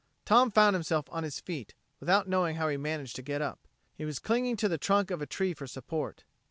Tom found himself on his feet, without knowing how he managed to get up. He was clinging to the trunk of a tree for support.